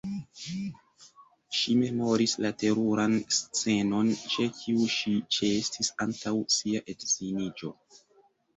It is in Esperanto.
Ŝi memoris la teruran scenon, ĉe kiu ŝi ĉeestis antaŭ sia edziniĝo.